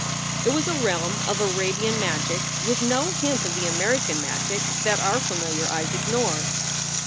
It was a realm of Arabian magic, with no hint of the American magic that our familiar eyes ignore.